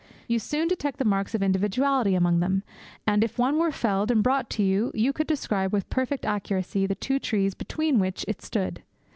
You soon detect the marks of individuality among them; and, if one were felled and brought you, you could describe with perfect accuracy the two trees between which it stood.